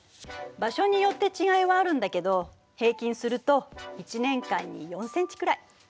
場所によって違いはあるんだけど平均すると１年間に４ｃｍくらい。